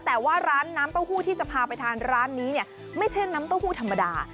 แต่ว่าร้านน้ำเต้าหู้ที่จะพาไปทานร้านนี้เนี่ยไม่ใช่น้ำเต้าหู้ธรรมดา